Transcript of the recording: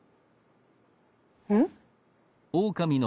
「うん？」。